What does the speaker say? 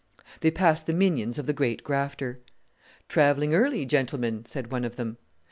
They passed the minions of the great grafter. "Travelling early, gentlemen!" said one of them.